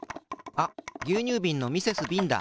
あぎゅうにゅうびんのミセス・ビンだ。